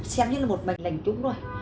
xem như là một mình lành chúng thôi